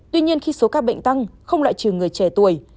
tuy nhiên khi số ca bệnh tăng không loại trừ người trẻ tuổi